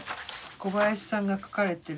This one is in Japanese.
小林さんが書かれてる。